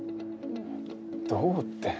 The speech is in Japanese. どうって。